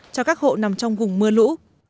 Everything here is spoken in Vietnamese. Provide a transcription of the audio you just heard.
cho các hộ nằm trong vùng mưa lũ